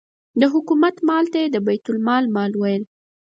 د حکومت مال ته یې د بیت المال مال ویل.